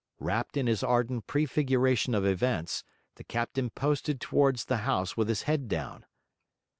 Wrapped in his ardent prefiguration of events, the captain posted towards the house with his head down.